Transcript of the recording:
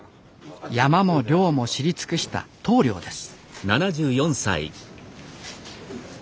山も猟も知り尽くした頭領です